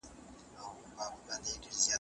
زده کوونکي باید د خپل علم سوال ته ځان نژدي کړي.